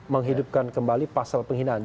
menghidupkan kembali pasal penghinaan